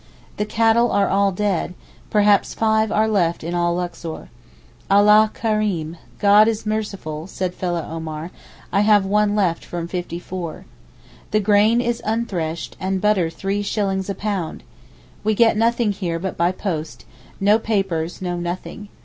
The cattle are all dead; perhaps five are left in all Luxor. Allah kereem! (God is merciful) said fellah Omar, 'I have one left from fifty four.' The grain is unthreshed, and butter three shillings a pound! We get nothing here but by post; no papers, no nothing.